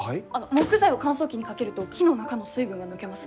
木材を乾燥機にかけると木の中の水分が抜けます。